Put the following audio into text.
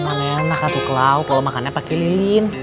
mana enak atu klau kalau makannya pakai lilin